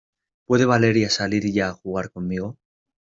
¿ puede Valeria salir ya a jugar conmigo?